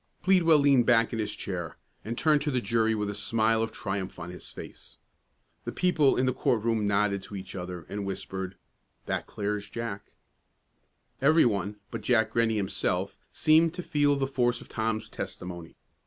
Pleadwell leaned back in his chair, and turned to the jury with a smile of triumph on his face. The people in the court room nodded to each other, and whispered, "That clears Jack." Every one, but Jack Rennie himself, seemed to feel the force of Tom's testimony.